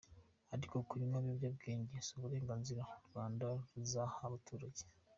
Ariko kunywa ibiyobyabwenge si uburenganzira u Rwanda ruzaha abaturage”.